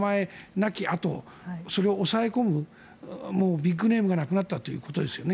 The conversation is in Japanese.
なきあとそれを抑え込むビッグネームがなくなったということですよね。